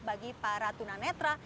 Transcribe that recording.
bagi para tunanetra